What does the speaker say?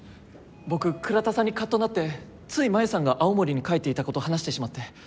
僕倉田さんにカッとなってつい真夢さんが青森に帰っていた事話してしまって。